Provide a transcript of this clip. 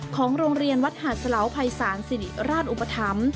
ของโรงเรียนวัดหาดสะเลาภายศาลศิริราชอุปธรรม